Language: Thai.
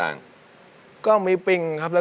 เพลงที่๑มูลค่า๑๐๐๐๐บาท